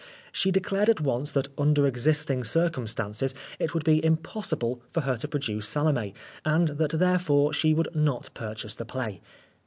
She declared at once that under existing circumstances it would be impossible for her to produce Salomg, and that therefore she would not purchase the play.